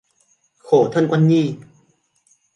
Khổ thân con Nhi